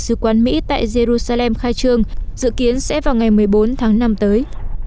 sứ quán mỹ tại jerusalem khai trương dự kiến sẽ vào ngày một mươi bốn tháng năm tới